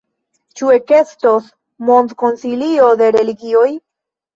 Ĉu ekestos mondkonsilio de religioj?